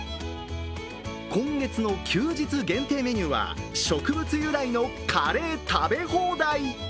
今月の休日限定メニューは植物由来のカレー食べ放題。